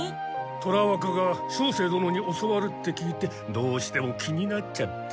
虎若が照星どのに教わるって聞いてどうしても気になっちゃって。